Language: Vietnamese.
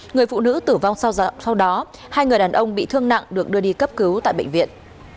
người phụ nữ tử vong sau đó hai người đàn ông bị thương nặng được đưa đi cấp cứu tại bệnh viện